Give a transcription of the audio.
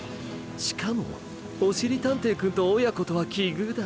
しかもおしりたんていくんとおやことはきぐうだ。